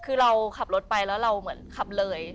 คือเราขับรถไปแล้วเราเหมือนขับเลย